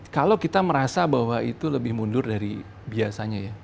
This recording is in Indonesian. kalau kita merasa bahwa itu lebih mundur dari biasanya ya